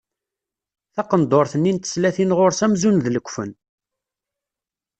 Taqendurt-nni n teslatin ɣur-s amzun d lekfen.